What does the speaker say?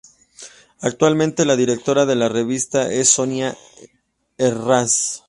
Actualmente la directora de la revista es Sonia Herranz.